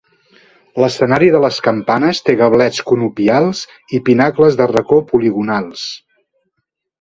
L'escenari de les campanes té gablets conopials i pinacles de racó poligonals.